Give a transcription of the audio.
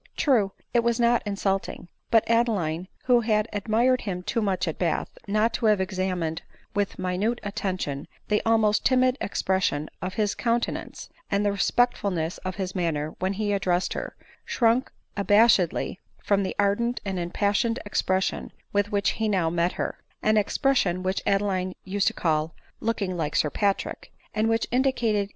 True, it was not insult ing ; but Adeline, who had admired him too much at Bath not to have examined with minute attention the almost * timid expression of his count^iance, and the respectful ness of his manner when he addressed her, shrunk abash ed from the ardent and impassioned expression with which he now'* met her — an expression which Adeline used to call, " looking like sir Patrick ;" and* which indicated